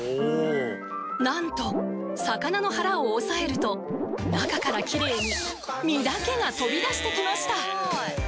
なんと魚の腹を押さえると中からきれいに身だけが飛び出してきました！